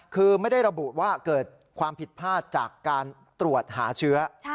คือไม่ได้ระบุว่าเกิดความผิดพลาดจากการตรวจหาเชื้อ